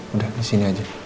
udah di sini aja